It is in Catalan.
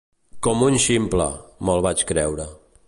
Com un ximple, me'l vaig creure.